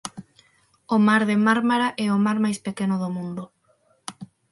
O Mar de Mármara é o mar máis pequeno do mundo.